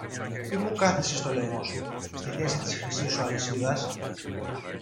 Τι μου κάθισες στο λαιμό σου, στη θέση της χρυσής σου αλυσίδας;